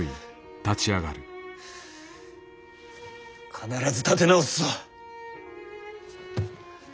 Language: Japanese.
必ず立て直すぞ。